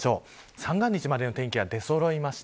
三が日までの天気が出そろいました。